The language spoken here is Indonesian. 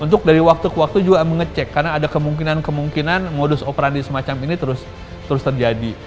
untuk dari waktu ke waktu juga mengecek karena ada kemungkinan kemungkinan modus operandi semacam ini terus terjadi